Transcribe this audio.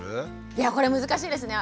いやこれ難しいですね。